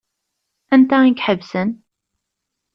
Anta i iḥebsen?